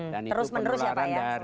terus menerus ya pak ya